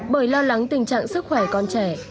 bởi lo lắng tình trạng sức khỏe con trẻ